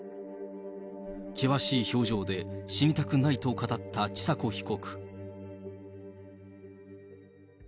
険しい表情で死にたくないと語った千佐子被告。